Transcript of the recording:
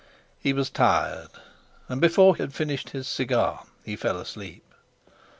He was tired, and before he had finished his cigar he fell asleep.